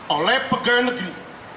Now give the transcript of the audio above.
oleh pegawai negeri